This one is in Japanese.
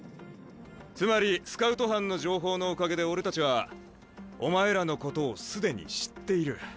つまりスカウト班の情報のおかげで俺たちはお前らのことを既に知っている。